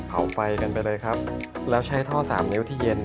ไฟกันไปเลยครับแล้วใช้ท่อสามนิ้วที่เย็น